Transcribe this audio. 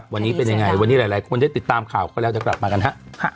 วันนี้เป็นยังไงวันนี้หลายคนที่ติดตามข่าวก็แล้วจะกลับมากันฮะ